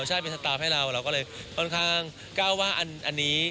ใช่เป็นสตาร์ฟให้เราเราก็เลยค่อนข้างก้าวว่าอันนี้